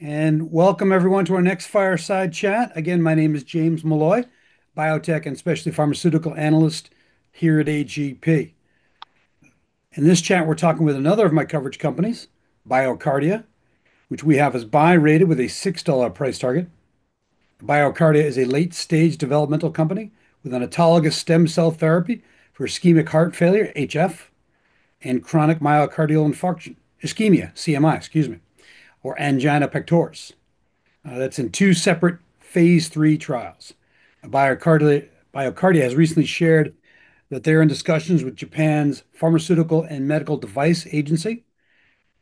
Welcome everyone to our next fireside chat. Again, my name is James Molloy, biotech and specialty pharmaceutical analyst here at A.G.P. In this chat, we're talking with another of my coverage companies, BioCardia, which we have as buy rated with a $6 price target. BioCardia is a late-stage developmental company with an autologous stem cell therapy for ischemic heart failure, HF, and chronic myocardial infarction, ischemia, CMI, excuse me, or angina pectoris. That's in two separate phase III trials. BioCardia has recently shared that they're in discussions with Japan's Pharmaceuticals and Medical Devices Agency,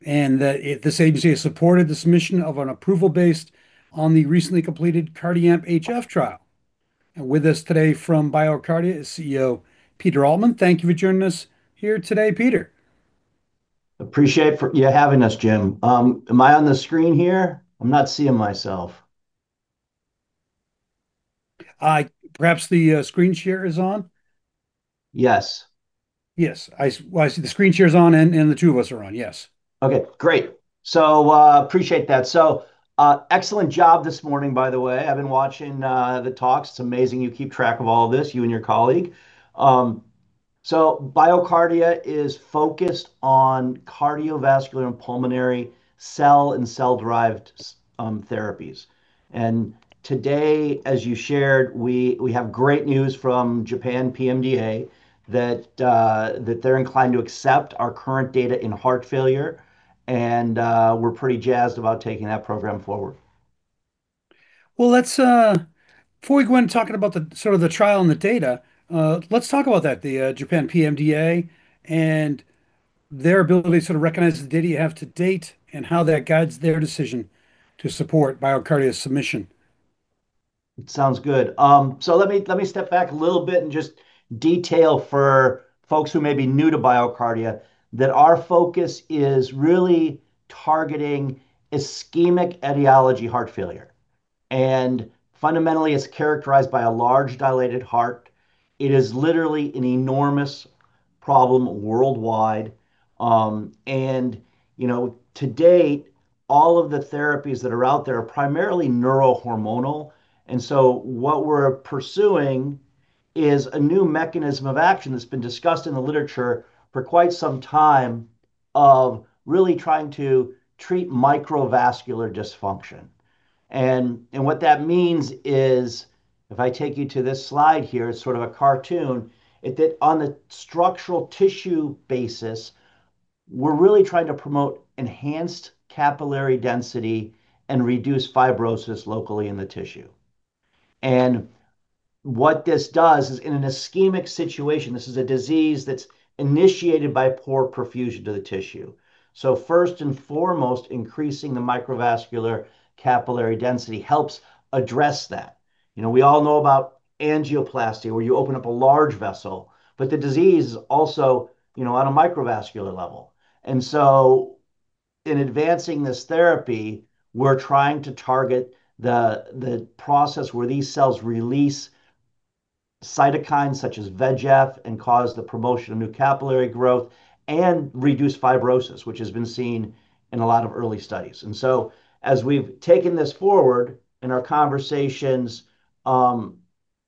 that this agency has supported the submission of an approval based on the recently completed CardiAMP HF trial. With us today from BioCardia is CEO Peter Altman. Thank you for joining us here today, Peter. Appreciate for having us, Jim. Am I on the screen here? I'm not seeing myself. Perhaps the screen share is on. Yes. Yes. I see the screen share's on, and the two of us are on. Yes. Okay, great, appreciate that. Excellent job this morning, by the way. I've been watching the talks. It's amazing you keep track of all this, you and your colleague. BioCardia is focused on cardiovascular and pulmonary cell and cell-derived therapies. Today, as you shared, we have great news from Japan PMDA that they're inclined to accept our current data in heart failure and we're pretty jazzed about taking that program forward. Well, before we go on talking about the trial and the data, let's talk about that, the Japan PMDA, and their ability to recognize the data you have to date and how that guides their decision to support BioCardia's submission. Sounds good. Let me step back a little bit and just detail for folks who may be new to BioCardia, that our focus is really targeting ischemic etiology heart failure, and fundamentally it's characterized by a large dilated heart. It is literally an enormous problem worldwide. To date, all of the therapies that are out there are primarily neurohormonal, and so what we're pursuing is a new mechanism of action that's been discussed in the literature for quite some time of really trying to treat microvascular dysfunction. What that means is, if I take you to this slide here, it's sort of a cartoon, that on the structural tissue basis, we're really trying to promote enhanced capillary density and reduce fibrosis locally in the tissue. What this does is in an ischemic situation, this is a disease that's initiated by poor perfusion to the tissue. First and foremost, increasing the microvascular capillary density helps address that. We all know about angioplasty, where you open up a large vessel, but the disease is also on a microvascular level. In advancing this therapy, we're trying to target the process where these cells release cytokines such as VEGF and cause the promotion of new capillary growth and reduce fibrosis, which has been seen in a lot of early studies. As we've taken this forward in our conversations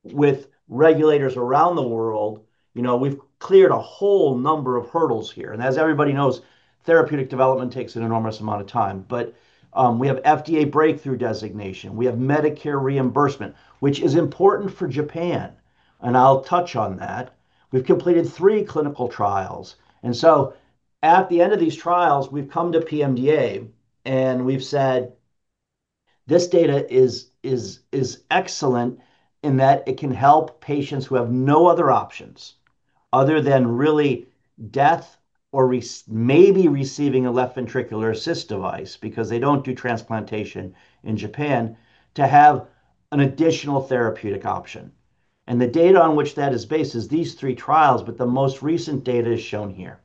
with regulators around the world, we've cleared a whole number of hurdles here. As everybody knows, therapeutic development takes an enormous amount of time. We have FDA breakthrough designation, we have Medicare reimbursement, which is important for Japan, and I'll touch on that. We've completed three clinical trials. At the end of these trials, we've come to PMDA, and we've said, "This data is excellent in that it can help patients who have no other options other than really death or maybe receiving a left ventricular assist device," because they don't do transplantation in Japan, to have an additional therapeutic option. The data on which that is based is these three trials, but the most recent data is shown here.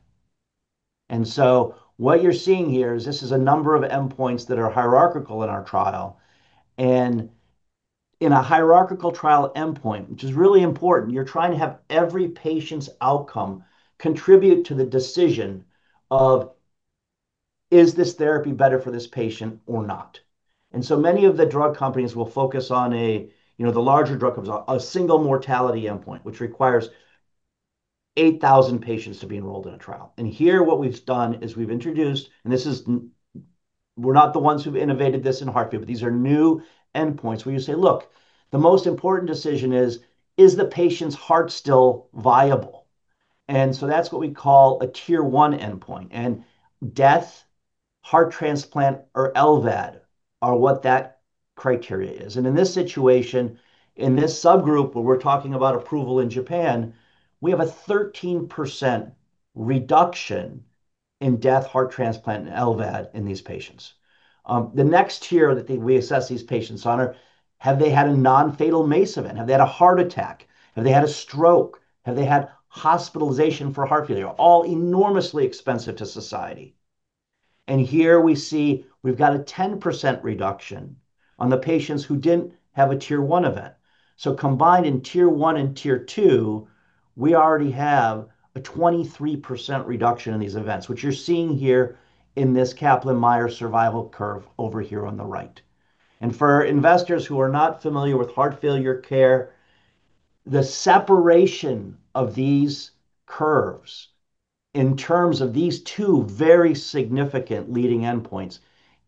What you're seeing here is this is a number of endpoints that are hierarchical in our trial. In a hierarchical trial endpoint, which is really important, you're trying to have every patient's outcome contribute to the decision of is this therapy better for this patient or not. Many of the drug companies, the larger drug companies, will focus on a single mortality endpoint, which requires 8,000 patients to be enrolled in a trial. Here what we've done is we've introduced, we're not the ones who've innovated this in heart failure, these are new endpoints where you say, "Look, the most important decision is the patient's heart still viable?" That's what we call a tier 1 endpoint, death, heart transplant, or LVAD are what that criteria is. In this situation, in this subgroup where we're talking about approval in Japan, we have a 13% reduction in death, heart transplant, and LVAD in these patients. The next tier that we assess these patients on are, have they had a nonfatal MACE event? Have they had a heart attack? Have they had a stroke? Have they had hospitalization for heart failure? All enormously expensive to society. Here we see we've got a 10% reduction on the patients who didn't have a tier 1 event. Combined in tier 1 and tier 2. We already have a 23% reduction in these events, which you're seeing here in this Kaplan-Meier survival curve over here on the right. For investors who are not familiar with heart failure care, the separation of these curves in terms of these two very significant leading endpoints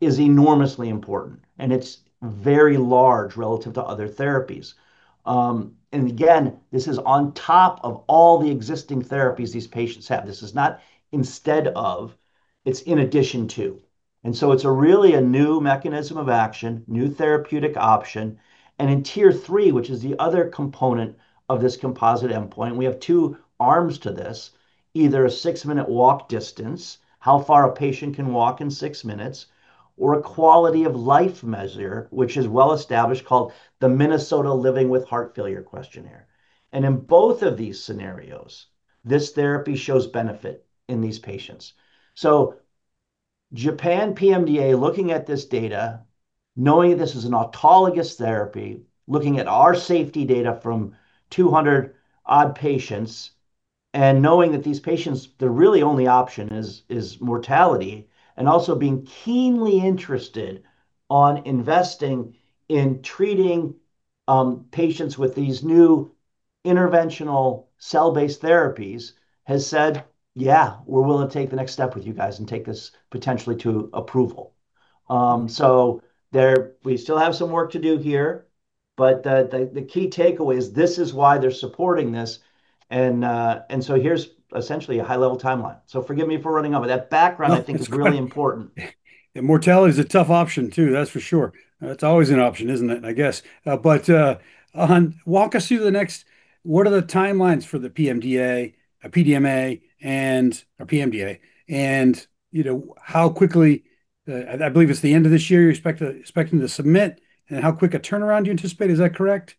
is enormously important, and it's very large relative to other therapies. Again, this is on top of all the existing therapies these patients have. This is not instead of, it's in addition to. It's really a new mechanism of action, new therapeutic option. In tier 3, which is the other component of this composite endpoint, we have two arms to this, either a six-minute walk distance, how far a patient can walk in 6 minutes, or a quality of life measure, which is well-established, called the Minnesota Living with Heart Failure Questionnaire. In both of these scenarios, this therapy shows benefit in these patients. Japan PMDA, looking at this data, knowing this is an autologous therapy, looking at our safety data from 200 odd patients, and knowing that these patients, their really only option is mortality, and also being keenly interested on investing in treating patients with these new interventional cell-based therapies, has said, "Yeah, we're willing to take the next step with you guys and take this potentially to approval." We still have some work to do here, but the key takeaway is this is why they're supporting this, and so here's essentially a high-level timeline. Forgive me for running over. That background, I think, is really important. Immortality's a tough option, too that's for sure. It's always an option, isn't it? I guess, walk us through the next, what are the timelines for the PMDA, and how quickly-- I believe it's the end of this year you're expecting to submit, and how quick a turnaround do you anticipate? Is that correct?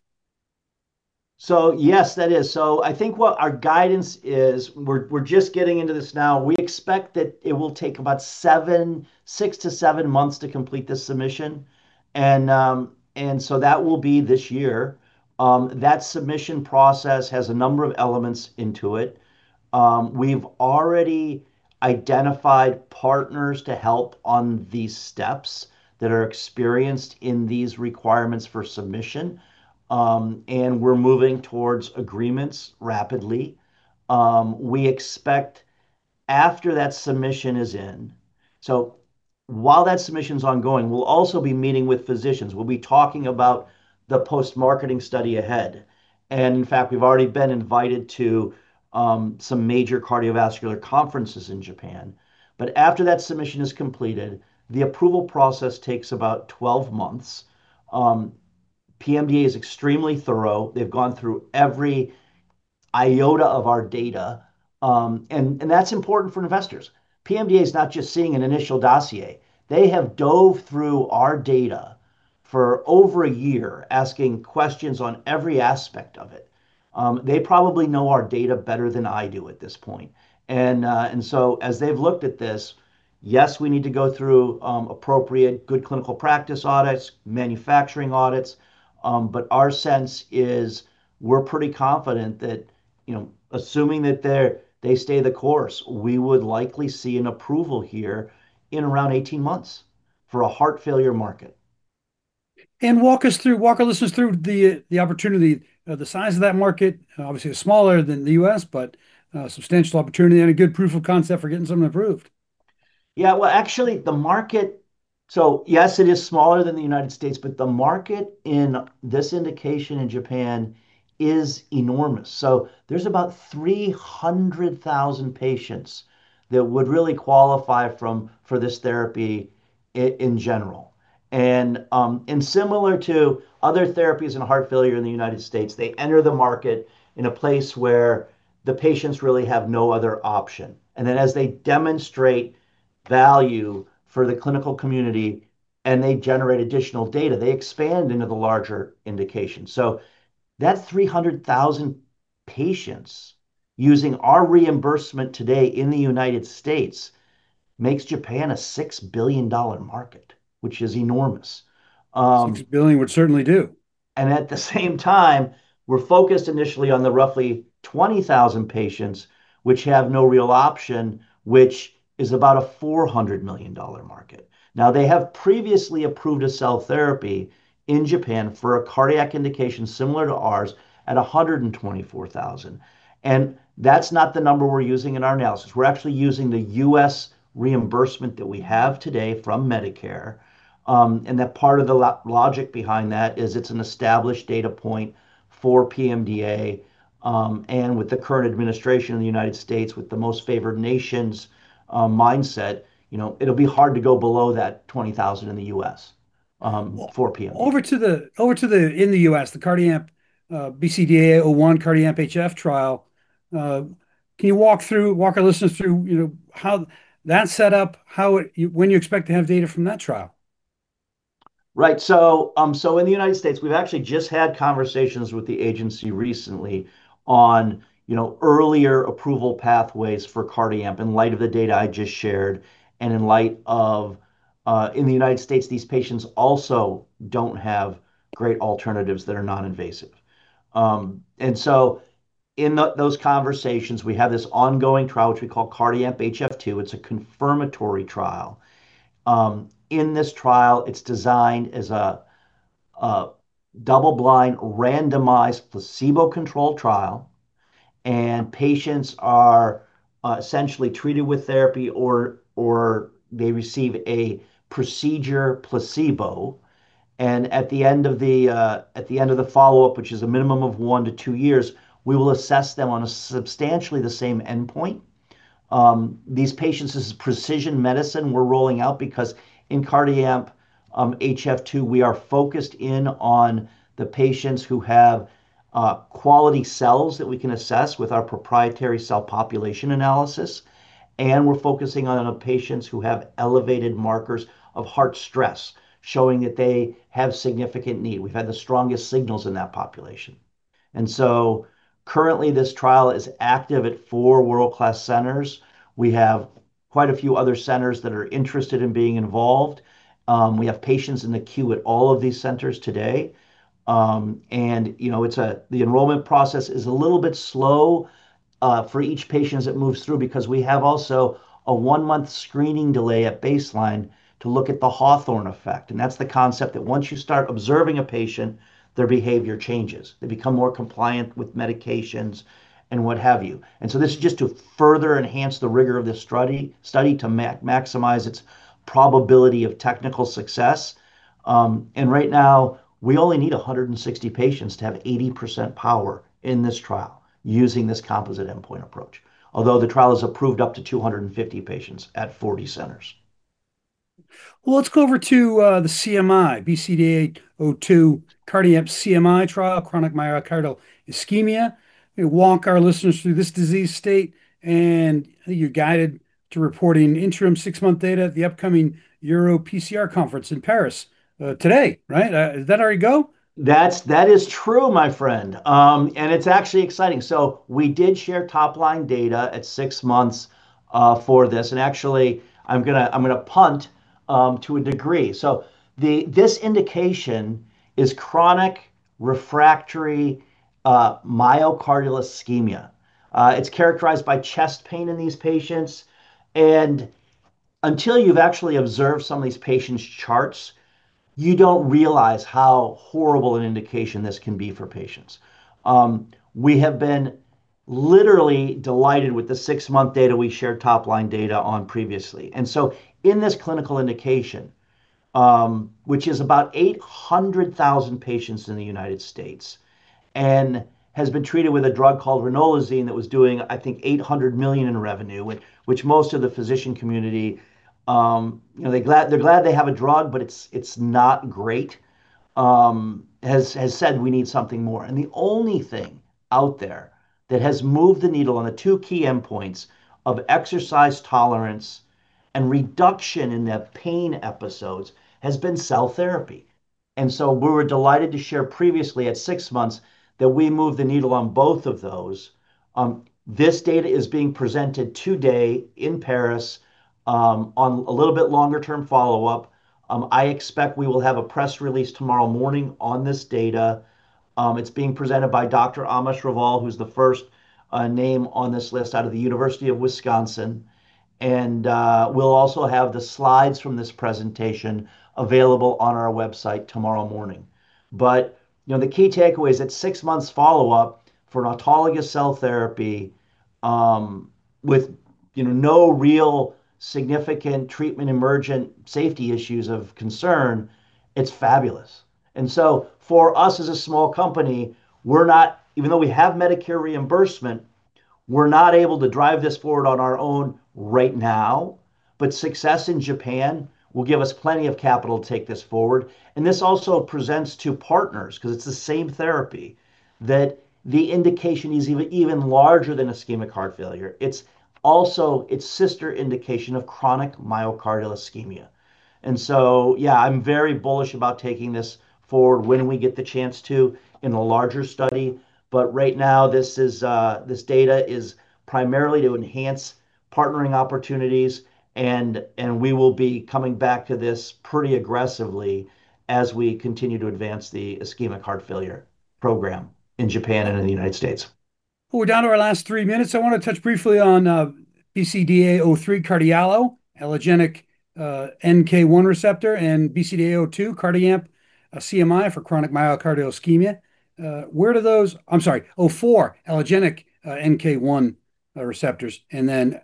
Yes, that is. I think what our guidance is, we're just getting into this now. We expect that it will take about six to seven months to complete this submission, and that will be this year. That submission process has a number of elements into it. We've already identified partners to help on these steps that are experienced in these requirements for submission, and we're moving towards agreements rapidly. We expect after that submission is in. While that submission's ongoing, we'll also be meeting with physicians, we'll be talking about the post-marketing study ahead. In fact, we've already been invited to some major cardiovascular conferences in Japan. After that submission is completed, the approval process takes about 12 months. PMDA is extremely thorough. They've gone through every iota of our data, and that's important for investors. PMDA is not just seeing an initial dossier. They have dove through our data for over a year, asking questions on every aspect of it. They probably know our data better than I do at this point. As they've looked at this, yes, we need to go through appropriate Good Clinical Practice audits, manufacturing audits, but our sense is we're pretty confident that assuming that they stay the course, we would likely see an approval here in around 18 months for a heart failure market. Walk our listeners through the opportunity. The size of that market, obviously, is smaller than the U.S., but a substantial opportunity and a good proof of concept for getting something approved. Well, actually, yes, it is smaller than the United States, but the market in this indication in Japan is enormous. There's about 300,000 patients that would really qualify for this therapy in general. Similar to other therapies in heart failure in the United States, they enter the market in a place where the patients really have no other option. As they demonstrate value for the clinical community and they generate additional data, they expand into the larger indication. That 300,000 patients using our reimbursement today in the United States makes Japan a $6 billion market, which is enormous. $6 billion would certainly do. At the same time, we're focused initially on the roughly 20,000 patients which have no real option, which is about a $400 million market. Now, they have previously approved a cell therapy in Japan for a cardiac indication similar to ours at $124,000. That's not the number we're using in our analysis. We're actually using the U.S. reimbursement that we have today from Medicare. That part of the logic behind that is it's an established data point for PMDA. With the current administration in the United States, with the Most Favored Nation mindset, it'll be hard to go below that $20,000 in the U.S. for PMDA. Over to the in the U.S., the CardiAMP BCDA-01, CardiAMP HF trial, can you walk our listeners through how that's set up, when you expect to have data from that trial? Right. In the United States, we've actually just had conversations with the agency recently on earlier approval pathways for CardiAMP in light of the data I just shared and in light of in the United States, these patients also don't have great alternatives that are non-invasive. In those conversations, we have this ongoing trial, which we call CardiAMP HF II. It's a confirmatory trial. In this trial, it's designed as a double-blind, randomized placebo-controlled trial, and patients are essentially treated with therapy or they receive a procedure placebo. At the end of the follow-up, which is a minimum of one to two years, we will assess them on a substantially the same endpoint. These patients, this is precision medicine we're rolling out because in CardiAMP HF II, we are focused in on the patients who have quality cells that we can assess with our proprietary cell population analysis, and we're focusing on the patients who have elevated markers of heart stress, showing that they have significant need. We've had the strongest signals in that population. Currently, this trial is active at four world-class centers. We have quite a few other centers that are interested in being involved. We have patients in the queue at all of these centers today. The enrollment process is a little bit slow for each patient as it moves through because we have also a one-month screening delay at baseline to look at the Hawthorne effect. That's the concept that once you start observing a patient, their behavior changes. They become more compliant with medications and what have you. This is just to further enhance the rigor of this study to maximize its probability of technical success. Right now we only need 160 patients to have 80% power in this trial using this composite endpoint approach. Although the trial is approved up to 250 patients at 40 centers. Well, let's go over to the CMI, BCDA-02 CardiAMP CMI trial, chronic myocardial ischemia. Walk our listeners through this disease state and you're guided to reporting interim six-month data at the upcoming EuroPCR Conference in Paris, today, right? Did that already go? That is true, my friend. It's actually exciting. We did share top-line data at 6 months for this, and actually, I'm going to punt to a degree. This indication is chronic refractory myocardial ischemia. It's characterized by chest pain in these patients. Until you've actually observed some of these patients' charts, you don't realize how horrible an indication this can be for patients. We have been literally delighted with the six-month data we shared top-line data on previously. In this clinical indication, which is about 800,000 patients in the United States and has been treated with a drug called ranolazine that was doing, I think, $800 million in revenue, which most of the physician community, they're glad they have a drug, but it's not great, has said we need something more. The only thing out there that has moved the needle on the two key endpoints of exercise tolerance and reduction in the pain episodes has been cell therapy. So we were delighted to share previously at six months that we moved the needle on both of those. This data is being presented today in Paris on a little bit longer-term follow-up. I expect we will have a press release tomorrow morning on this data. It's being presented by Dr. Amish Raval, who's the first name on this list out of the University of Wisconsin. We'll also have the slides from this presentation available on our website tomorrow morning. The key takeaway is at 6 months follow-up for an autologous cell therapy with no real significant treatment emergent safety issues of concern, it's fabulous. For us as a small company, even though we have Medicare reimbursement, we're not able to drive this forward on our own right now, but success in Japan will give us plenty of capital to take this forward. This also presents to partners because it's the same therapy, that the indication is even larger than ischemic heart failure. It's sister indication of chronic myocardial ischemia. Yeah, I'm very bullish about taking this forward when we get the chance to in a larger study. Right now, this data is primarily to enhance partnering opportunities, and we will be coming back to this pretty aggressively as we continue to advance the ischemic heart failure program in Japan and in the United States. Well, we're down to our last three minutes. I want to touch briefly on BCDA-03 CardiALLO, allogeneic NK1R+ receptor, and BCDA-02 CardiAMP CMI for chronic myocardial ischemia. I'm sorry, 04, allogeneic NK1R+ receptors. Then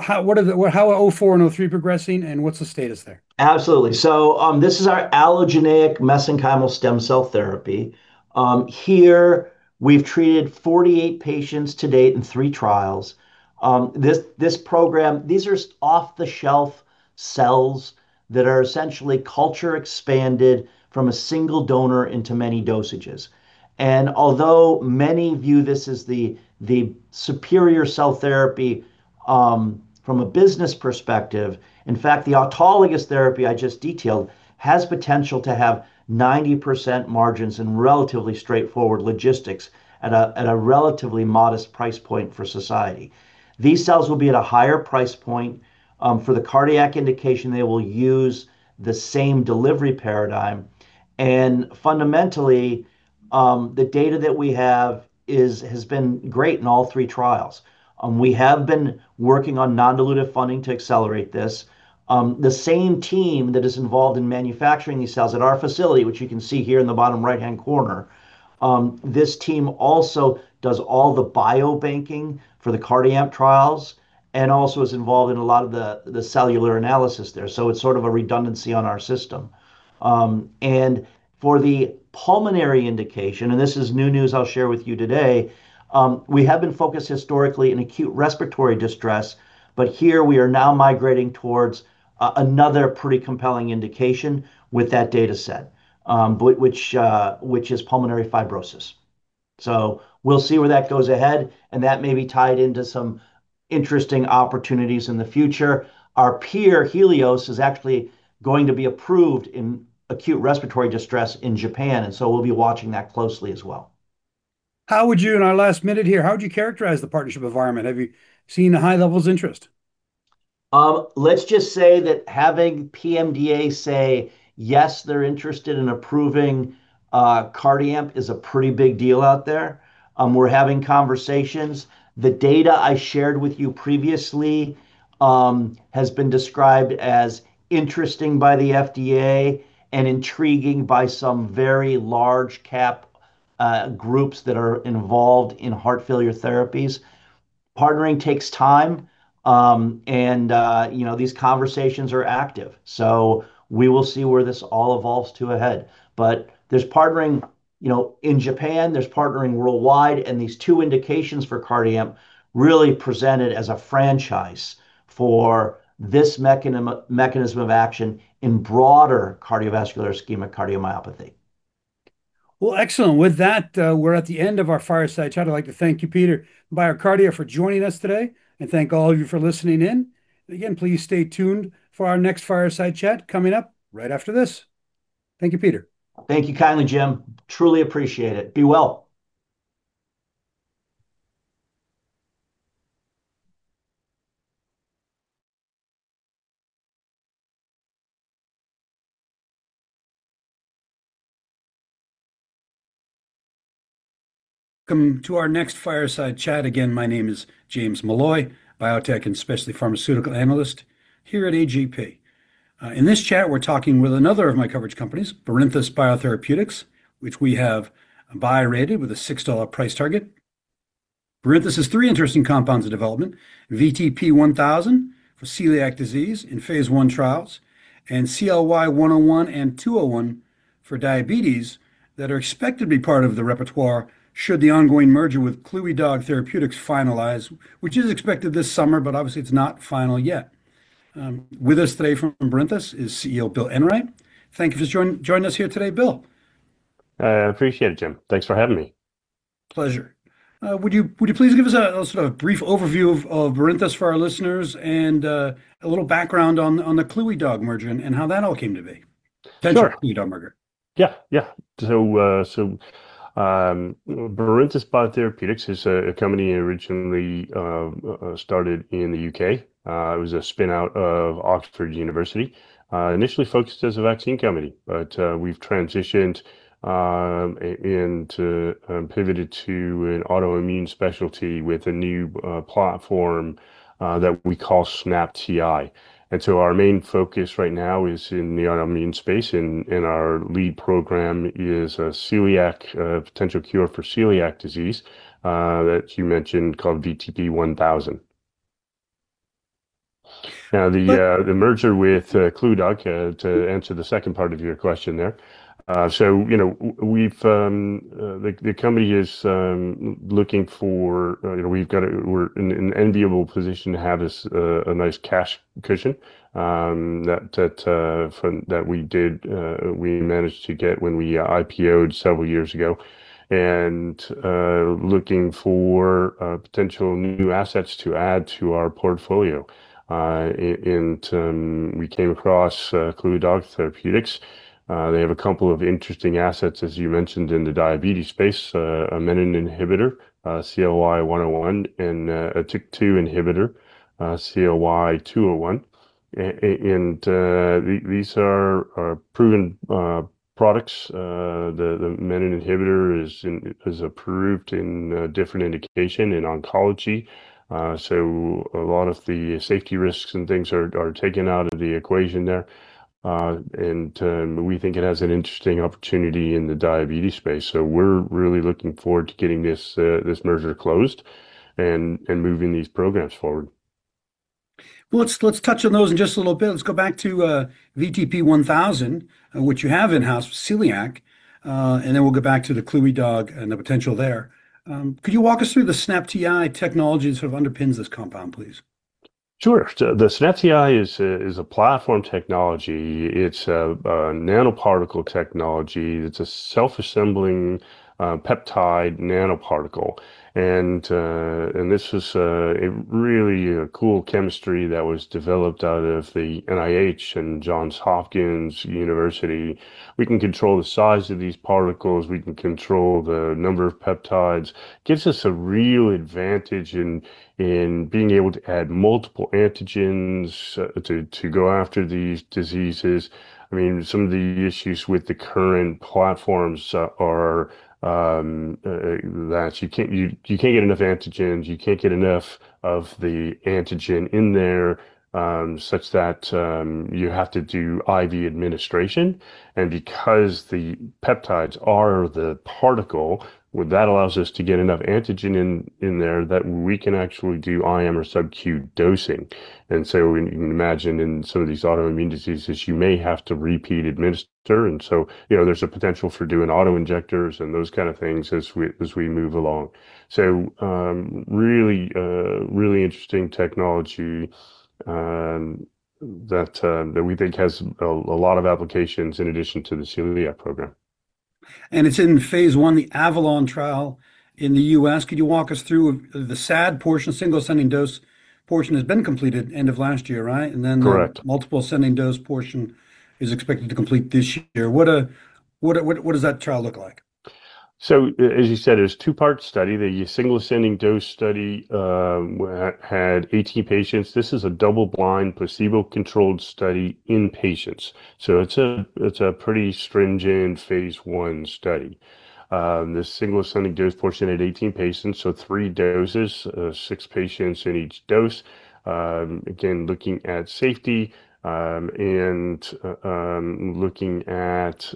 how are 04 and 03 progressing, what's the status there? Absolutely. This is our allogeneic mesenchymal stem cell therapy. Here we've treated 48 patients to date in threee trials. This program, these are off-the-shelf cells that are essentially culture expanded from a single donor into many dosages. Although many view this as the superior cell therapy from a business perspective, in fact, the autologous therapy I just detailed has potential to have 90% margins and relatively straightforward logistics at a relatively modest price point for society. These cells will be at a higher price point. For the cardiac indication, they will use the same delivery paradigm. And fundamentally, the data that we have has been great in all three trials. We have been working on non-dilutive funding to accelerate this. The same team that is involved in manufacturing these cells at our facility, which you can see here in the bottom right-hand corner, this team also does all the biobanking for the CardiAMP trials and also is involved in a lot of the cellular analysis there. It's sort of a redundancy on our system. For the pulmonary indication, and this is new news I'll share with you today, we have been focused historically in acute respiratory distress syndrome, but here we are now migrating towards another pretty compelling indication with that data set, which is pulmonary fibrosis. We'll see where that goes ahead, and that may be tied into some interesting opportunities in the future. Our peer, Healios, is actually going to be approved in acute respiratory distress syndrome in Japan, and so we'll be watching that closely as well. How would you, in our last minute here, how would you characterize the partnership environment, have you seen high levels of interest? Let's just say that having PMDA say, yes, they're interested in approving CardiAMP is a pretty big deal out there, we're having conversations. The data I shared with you previously has been described as interesting by the FDA and intriguing by some very large cap groups that are involved in heart failure therapies. Partnering takes time, and these conversations are active. We will see where this all evolves to ahead. There's partnering in Japan, there's partnering worldwide, and these two indications for CardiAMP really present it as a franchise for this mechanism of action in broader cardiovascular ischemic cardiomyopathy. Well, excellent. With that, we're at the end of our Fireside Chat. I'd like to thank you, Peter, BioCardia, for joining us today, and thank all of you for listening in. Again, please stay tuned for our next Fireside Chat coming up right after this. Thank you, Peter. Thank you kindly, Jim. Truly appreciate it. Be well. Welcome to our next Fireside Chat. Again, my name is James Molloy, biotech and specialty pharmaceutical analyst here at A.G.P. In this chat, we are talking with another of my coverage companies, Barinthus Biotherapeutics, which we have buy rated with a $6 price target. Barinthus has three interesting compounds of development, VTP-1000 for celiac disease in phase I trials, and CLY-101 and CLY-201 for diabetes that are expected to be part of the repertoire should the ongoing merger with Clywedog Therapeutics finalize, which is expected this summer. Obviously it's not final yet. With us today from Barinthus is CEO Bill Enright. Thank you for joining us here today, Bill. I appreciate it, Jim. Thanks for having me. Pleasure. Would you please give us a sort of brief overview of Barinthus for our listeners and a little background on the Clywedog merger and how that all came to be? Sure. Potential Clywedog merger. Barinthus Biotherapeutics is a company originally started in the U.K. It was a spin-out of University of Oxford. Initially focused as a vaccine company, but we've transitioned and pivoted to an autoimmune specialty with a new platform that we call SNAP-TI. Our main focus right now is in the autoimmune space, and our lead program is a potential cure for celiac disease that you mentioned, called VTP-1000. The merger with Clywedog, to answer the second part of your question there, we're in an enviable position to have a nice cash cushion that we managed to get when we IPO'd several years ago, and looking for potential new assets to add to our portfolio. We came across Clywedog Therapeutics. They have a couple of interesting assets as you mentioned, in the diabetes space, a menin inhibitor, CLY-101, and a TYK2 inhibitor, CLY-201. These are proven products. The menin inhibitor is approved in a different indication in oncology, a lot of the safety risks and things are taken out of the equation there. We think it has an interesting opportunity in the diabetes space. We're really looking forward to getting this merger closed and moving these programs forward. Well, let's touch on those in just a little bit. Let's go back to VTP-1000, which you have in-house with celiac, and then we'll go back to the Clywedog and the potential there. Could you walk us through the SNAP-TI technology that sort of underpins this compound, please? Sure. The SNAP-TI is a platform technology. It is a nanoparticle technology, it's a self-assembling peptide nanoparticle. This is a really cool chemistry that was developed out of the NIH and Johns Hopkins University. We can control the size of these particles, we can control the number of peptides, gives us a real advantage in being able to add multiple antigens to go after these diseases. Some of the issues with the current platforms are that you cannot get enough antigens, you cannot get enough of the antigen in there such that you have to do IV administration. Because the peptides are the particle, well, that allows us to get enough antigen in there that we can actually do IM or subq dosing. You can imagine in some of these autoimmune diseases, you may have to repeat administer. There's a potential for doing auto-injectors and those kind of things as we move along. Really interesting technology that we think has a lot of applications in addition to the celiac program. It's in phase I, the AVALON trial in the U.S. Could you walk us through the SAD portion? Single ascending dose portion has been completed end of last year, right? Correct. The multiple ascending dose portion is expected to complete this year. What does that trial look like? As you said, it was a two-part study. The single ascending dose study had 18 patients. This is a double-blind, placebo-controlled study in patients. It's a pretty stringent phase I study. The single ascending dose portion had 18 patients, so three doses, six patients in each dose. Again, looking at safety, and looking at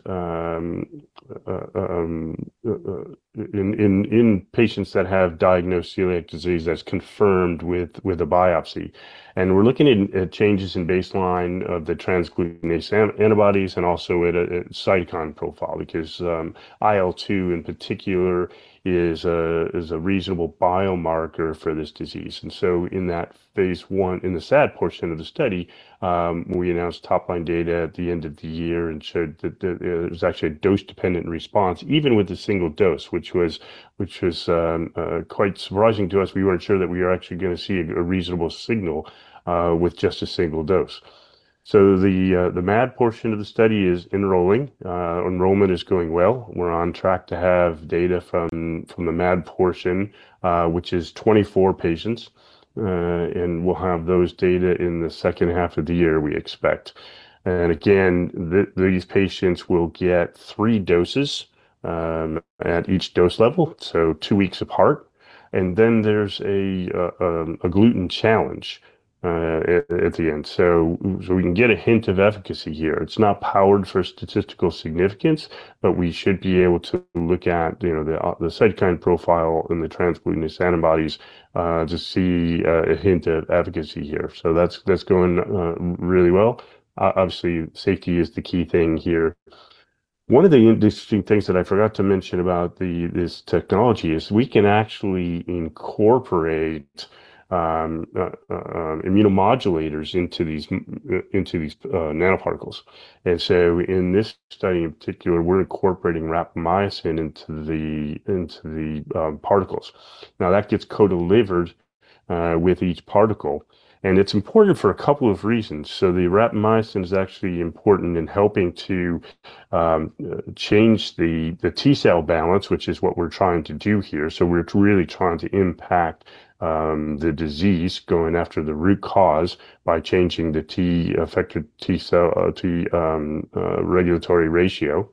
in patients that have diagnosed celiac disease that's confirmed with a biopsy. We're looking at changes in baseline of the transglutaminase antibodies and also at a cytokine profile because IL-2 in particular is a reasonable biomarker for this disease. In that phase I, in the SAD portion of the study, we announced top-line data at the end of the year and showed that there's actually a dose-dependent response even with the single dose, which was quite surprising to us. We weren't sure that we were actually going to see a reasonable signal with just a single dose. The MAD portion of the study is enrolling. Enrollment is going well. We're on track to have data from the MAD portion, which is 24 patients, and we'll have those data in the second half of the year, we expect. Again, these patients will get three doses at each dose level, two weeks apart. There's a gluten challenge at the end. We can get a hint of efficacy here. It's not powered for statistical significance, but we should be able to look at the cytokine profile and the transglutaminase antibodies to see a hint of efficacy here. That's going really well. Obviously, safety is the key thing here. One of the interesting things that I forgot to mention about this technology is we can actually incorporate immunomodulators into these nanoparticles. In this study in particular, we're incorporating rapamycin into the particles. Now, that gets co-delivered with each particle, and it's important for a couple of reasons. The rapamycin is actually important in helping to change the T cell balance, which is what we're trying to do here. We're really trying to impact the disease, going after the root cause by changing the T regulatory ratio.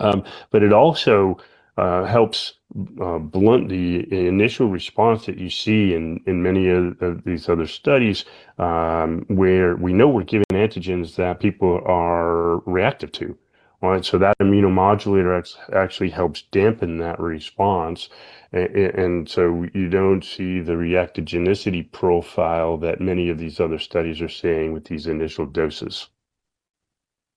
It also helps blunt the initial response that you see in many of these other studies, where we know we're giving antigens that people are reactive to. All right? That immunomodulator actually helps dampen that response, and so you don't see the reactogenicity profile that many of these other studies are seeing with these initial doses.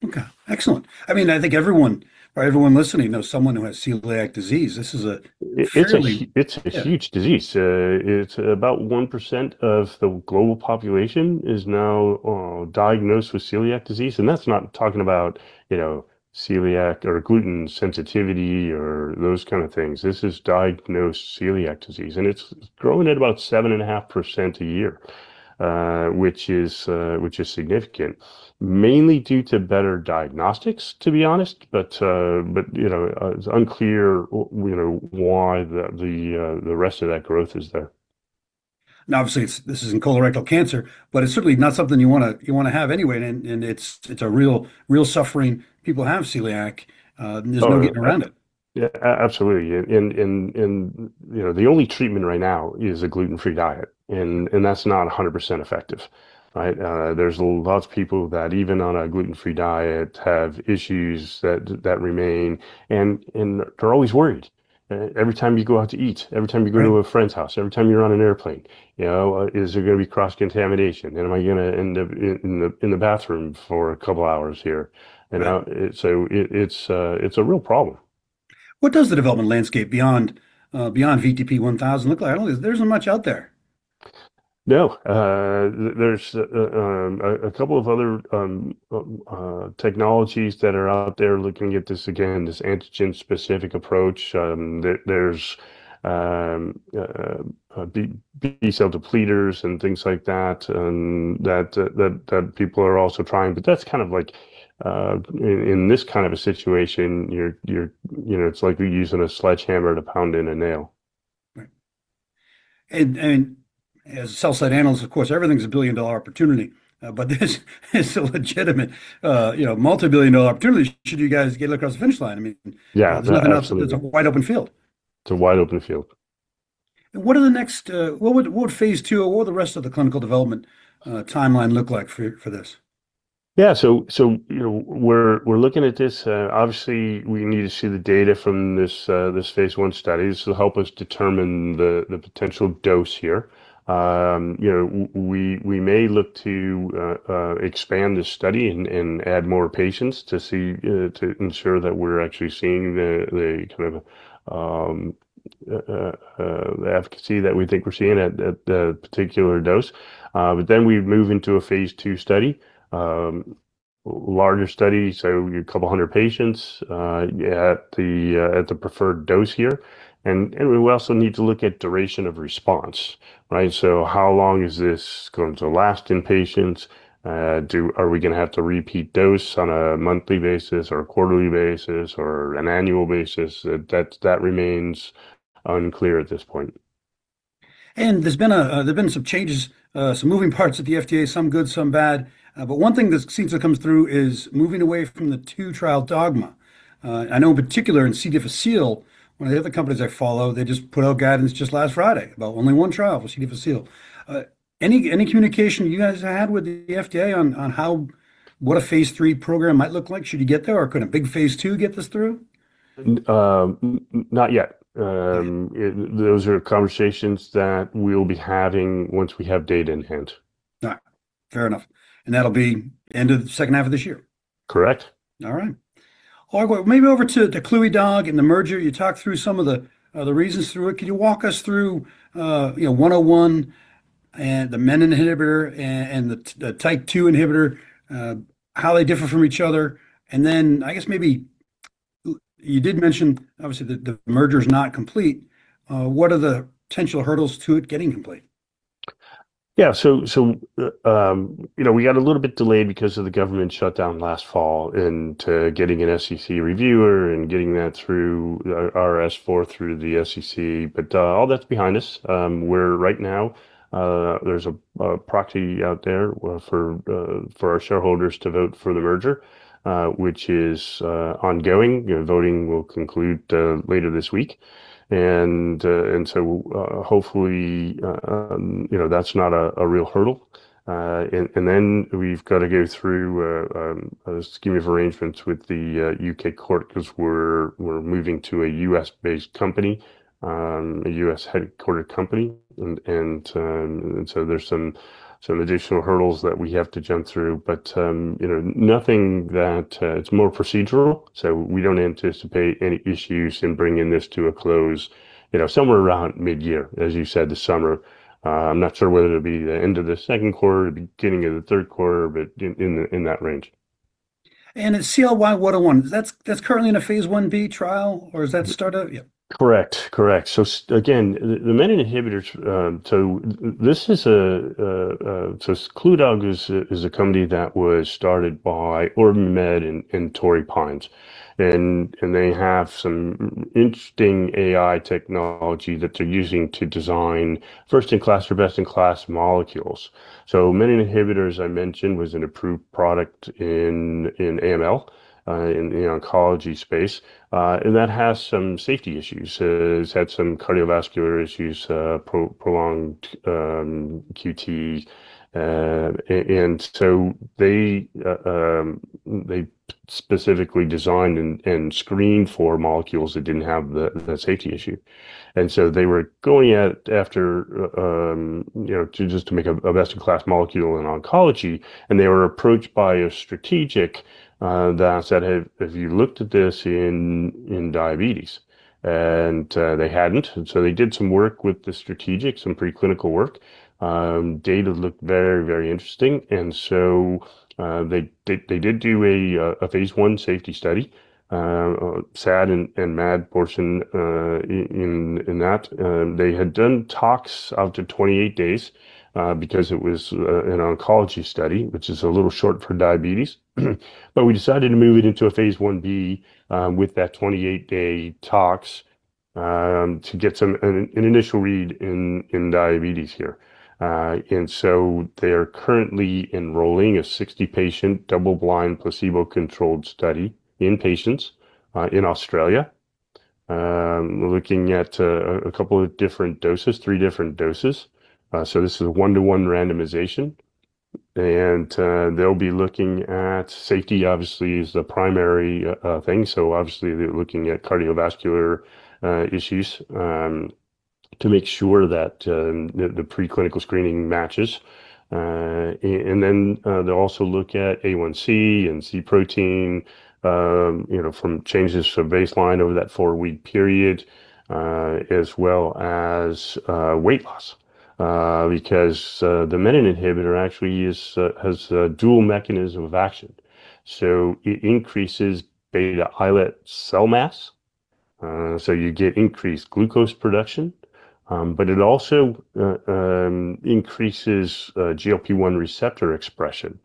Okay, excellent. I think everyone listening knows someone who has celiac disease. This is a fairly- It's a huge disease. It's about 1% of the global population is now diagnosed with celiac disease. That's not talking about celiac or gluten sensitivity or those kind of things. This is diagnosed celiac disease, and it's growing at about 7.5% a year, which is significant. Mainly due to better diagnostics, to be honest, but it's unclear why the rest of that growth is there. Obviously, this isn't colorectal cancer, but it's certainly not something you want to have anyway, and it's a real suffering. People have celiac. There's no getting around it. Yeah, absolutely. The only treatment right now is a gluten-free diet, and that's not 100% effective. Right? There's lots of people that, even on a gluten-free diet, have issues that remain, and they're always worried. Every time you go out to eat, every time you go to a friend's house, every time you're on an airplane, is there going to be cross-contamination? Am I going to end up in the bathroom for a couple hours here? It's a real problem. What does the development landscape beyond VTP-1000 look like? There isn't much out there. No. There's a couple of other technologies that are out there looking at this again, this antigen-specific approach. There's B-cell depleters and things like that people are also trying. In this kind of a situation, it's like you're using a sledgehammer to pound in a nail. Right. As sell-side analysts, of course, everything's a billion-dollar opportunity, but this is a legitimate multi-billion dollar opportunity should you guys get across the finish line. Yeah. Absolutely. it's a wide-open field. It's a wide-open field. What would phase II or the rest of the clinical development timeline look like for this? Yeah. We're looking at this. Obviously, we need to see the data from this phase I study. This will help us determine the potential dose here. We may look to expand this study and add more patients to ensure that we're actually seeing the kind of efficacy that we think we're seeing at the particular dose. We move into a phase II study. Larger study, a couple of 100 patients, at the preferred dose here. We also need to look at duration of response, right? How long is this going to last in patients? Are we going to have to repeat dose on a monthly basis or a quarterly basis or an annual basis? That remains unclear at this point. There's been some changes, some moving parts at the FDA, some good, some bad. One thing that seems to come through is moving away from the two-trial dogma. I know in particular in CDFA Seal, one of the other companies I follow, they just put out guidance just last Friday about only one trial for CDFA Seal. Any communication you guys had with the FDA on what a phase III program might look like should you get there, or could a big phase II get this through? Not yet. Okay. Those are conversations that we'll be having once we have data in hand. All right, fair enough. That'll be end of the second half of this year? Correct. All right. Well, maybe over to the Clywedog and the merger. You talked through some of the reasons through it. Can you walk us through CLY-101 and the menin inhibitor and the TYK2 inhibitor, how they differ from each other, and then I guess maybe you did mention obviously that the merger's not complete. What are the potential hurdles to it getting complete? Yeah. We got a little bit delayed because of the government shutdown last fall into getting an SEC reviewer and getting that through our S-4 through the SEC. All that's behind us. Where right now, there's a proxy out there for our shareholders to vote for the merger, which is ongoing. Voting will conclude later this week. Hopefully, that's not a real hurdle. We've got to go through a scheme of arrangement with the U.K. court because we're moving to a U.S.-based company, a U.S.-headquartered company, and so there's some additional hurdles that we have to jump through. It's more procedural, so we don't anticipate any issues in bringing this to a close somewhere around mid-year, as you said, this summer. I'm not sure whether it'll be the end of the second quarter or beginning of the third quarter, but in that range. CLY-101, that's currently in a phase I-B trial, or does that start out? Yeah. Correct. Again, the menin inhibitors. Clywedog is a company that was started by OrbiMed and Torrey Pines. They have some interesting AI technology that they're using to design first-in-class or best-in-class molecules. Menin inhibitors I mentioned was an approved product in AML, in the oncology space. That has some safety issues, has had some cardiovascular issues, prolonged QTs. They specifically designed and screened for molecules that didn't have the safety issue. They were going after just to make a best-in-class molecule in oncology, and they were approached by a strategic that said, "Have you looked at this in diabetes?" They hadn't. They did some work with the strategic, some preclinical work. Data looked very interesting, and so they did do a phase I safety study, SAD and MAD portion in that. They had done tox out to 28 days because it was an oncology study, which is a little short for diabetes. We decided to move it into a phase I-B with that 28-day tox to get an initial read in diabetes here. They are currently enrolling a 60-patient, double-blind, placebo-controlled study in patients in Australia. We're looking at a couple of different doses, three different doses. This is a one-to-one randomization. They'll be looking at safety, obviously, as the primary thing. Obviously, they're looking at cardiovascular issues to make sure that the preclinical screening matches. They'll also look at A1C and C-peptide from changes from baseline over that four-week period, as well as weight loss. Because the menin inhibitor actually has a dual mechanism of action. It increases beta islet cell mass, so you get increased glucose production. It also increases GLP-1 receptor expression.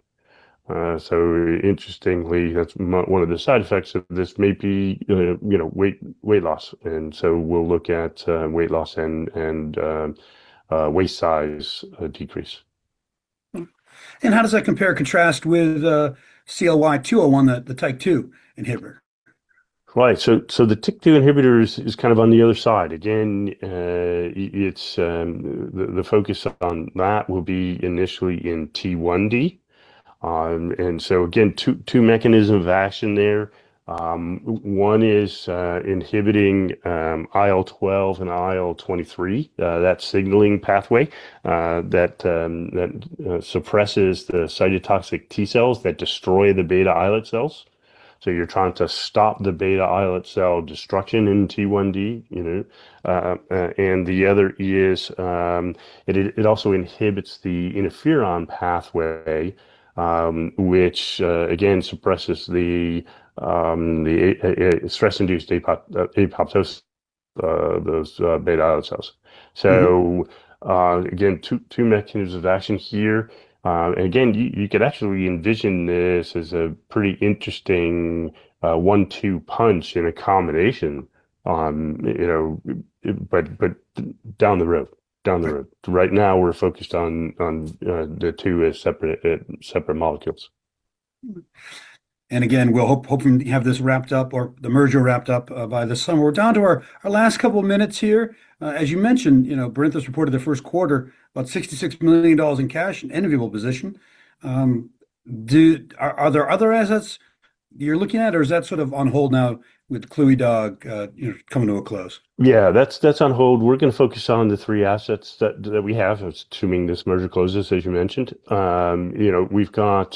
Interestingly, one of the side effects of this may be weight loss. We'll look at weight loss and waist size decrease. How does that compare or contrast with CLY-201, the TYK2 inhibitor? Right. The TYK2 inhibitor is kind of on the other side. Again, the focus on that will be initially in T1D. Again, two mechanisms of action there. One is inhibiting IL-12 and IL-23, that signaling pathway that suppresses the cytotoxic T cells that destroy the beta islet cells. You're trying to stop the beta islet cell destruction in T1D. The other is, it also inhibits the interferon pathway, which again suppresses the stress-induced apoptosis, those beta islet cells. Again, two mechanisms of action here. Again, you could actually envision this as a pretty interesting one-two punch in a combination, but down the road. Right now, we're focused on the two as separate molecules. Again, we're hoping to have this wrapped up, or the merger wrapped up by the summer. We're down to our last couple of minutes here. As you mentioned, Barinthus reported their first quarter, about $66 million in cash, an enviable position. Are there other assets you're looking at, or is that sort of on hold now with Clywedog coming to a close? Yeah, that's on hold. We're going to focus on the three assets that we have, assuming this merger closes, as you mentioned. We've got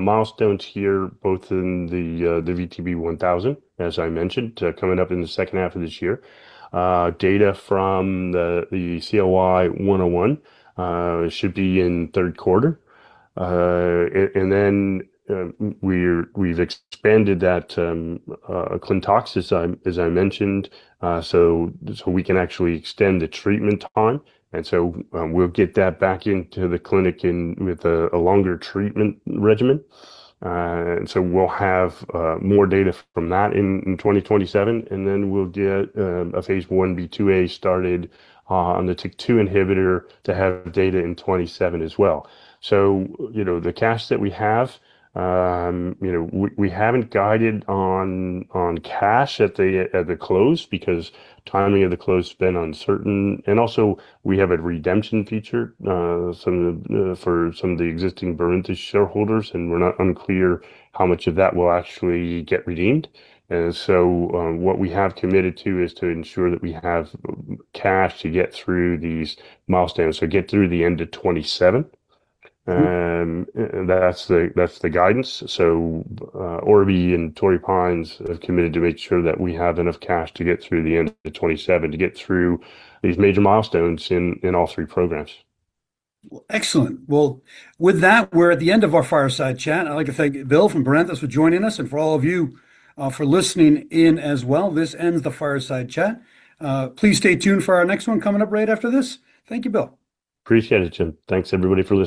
milestones here, both in the VTP-1000, as I mentioned, coming up in the second half of this year. Data from the CLY-101 should be in third quarter. We've expanded that clintox as I mentioned, so we can actually extend the treatment time. We'll get that back into the clinic with a longer treatment regimen. We'll have more data from that in 2027, we'll get a phase I-B/II-A started on the TYK2 inhibitor to have data in 2027 as well. The cash that we have, we haven't guided on cash at the close because timing of the close has been uncertain. Also we have a redemption feature for some of the existing Barinthus shareholders, and we're unclear how much of that will actually get redeemed. What we have committed to is to ensure that we have cash to get through these milestones. Get through the end of 2027. That's the guidance. Orbi and Torrey Pines have committed to make sure that we have enough cash to get through the end of 2027, to get through these major milestones in all three programs. Excellent. Well, with that, we're at the end of our Fireside Chat. I'd like to thank Bill from Barinthus Biotherapeutics for joining us and for all of you for listening in as well. This ends the Fireside Chat. Please stay tuned for our next one coming up right after this. Thank you, Bill. Appreciate it, James. Thanks everybody.